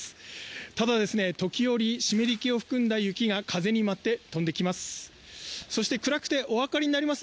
ただ、時折湿り気を含んだ雪が風に舞って飛んできます。